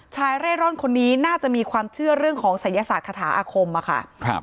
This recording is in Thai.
เร่ร่อนคนนี้น่าจะมีความเชื่อเรื่องของศัยศาสตร์คาถาอาคมอะค่ะ